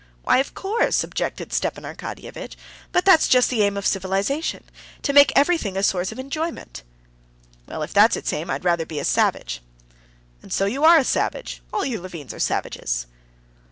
"Why, of course," objected Stepan Arkadyevitch. "But that's just the aim of civilization—to make everything a source of enjoyment." "Well, if that's its aim, I'd rather be a savage." "And so you are a savage. All you Levins are savages."